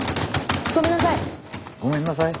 ごめんなさい！